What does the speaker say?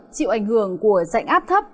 chịu ảnh hưởng của dạnh áp thấp